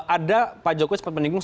ada pak jokowi sempat menyinggung